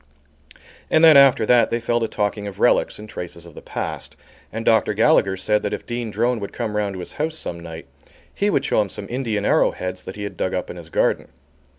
And then after that they fell to talking of relics and traces of the past, and Dr. Gallagher said that if Dean Drone would come round to his house some night he would show him some Indian arrow heads that he had dug up in his garden.